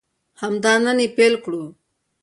همدا نن یې پیل کړو.